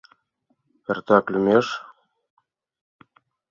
Эртак лӱмеш.